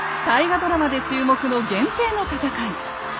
大河ドラマで注目の「源平の戦い」。